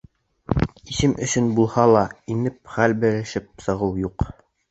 Исем өсөн булһа ла, инеп, хәл белешеп сығыу юҡ.